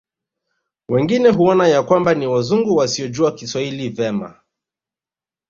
Wengine huona ya kwamba ni Wazungu wasiojua Kiswahili vema